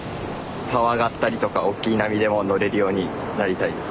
パワーがあったりとかおっきい波でも乗れるようになりたいです。